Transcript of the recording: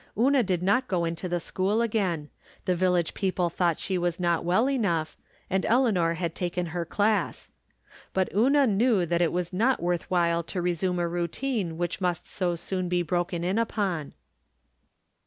Una did not go into the school again; the village people thought she was not well enough, and Eleanor had taken her class. But Una knew that it was not worth while to resume a routine which must so soon be broken in upon.